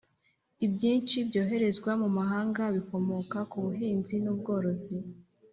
Ibyinshi byoherezwa mu mahanga bikomoka ku buhinzi n’ubworozi